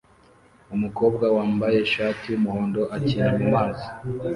Umukobwa wambaye ishati yumuhondo akina mumazi